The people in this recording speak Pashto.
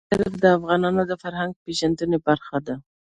مزارشریف د افغانانو د فرهنګي پیژندنې برخه ده.